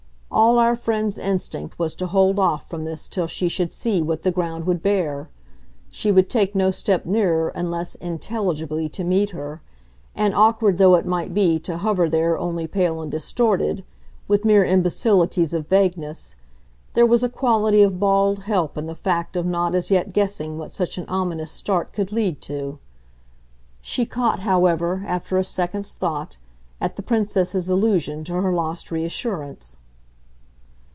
All our friend's instinct was to hold off from this till she should see what the ground would bear; she would take no step nearer unless INTELLIGIBLY to meet her, and, awkward though it might be to hover there only pale and distorted, with mere imbecilities of vagueness, there was a quality of bald help in the fact of not as yet guessing what such an ominous start could lead to. She caught, however, after a second's thought, at the Princess's allusion to her lost reassurance.